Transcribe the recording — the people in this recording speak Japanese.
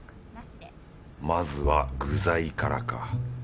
まずは具材からか。